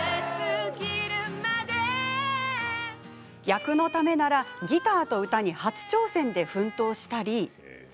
役のためならギターと歌に初挑戦で奮闘したり。